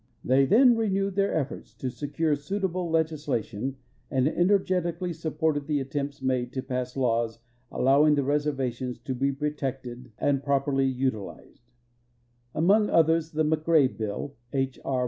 They then renewed tlu ir ellbrts to .secure suitil)le legislation ami energetically supported the attemjtts made to pass laws allowing the reservations to be protected and 186 THE NATIONAL FOREST RESERVES properly utilized. Among others, the McRae bill (H. R.